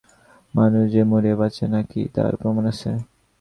মানুষ যে মরিয়া বাঁচে না কী তার প্রমাণ আছে?